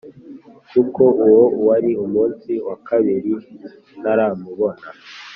kuko uwo wari umusi wakabiri ntaramubona.